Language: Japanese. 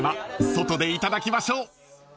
外でいただきましょう］